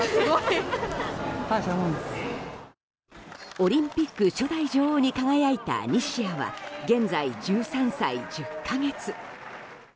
オリンピック初代女王に輝いた西矢は現在、１３歳１０か月。